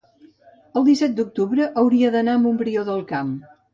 el disset d'octubre hauria d'anar a Montbrió del Camp.